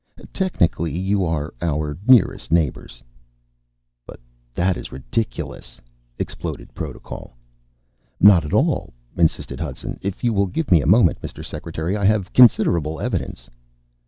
"Technically, you are our nearest neighbors." "But that is ridiculous!" exploded Protocol. "Not at all," insisted Hudson. "If you will give me a moment, Mr. Secretary, I have considerable evidence."